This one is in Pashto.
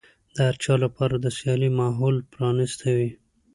د هر چا لپاره د سيالۍ ماحول پرانيستی وي.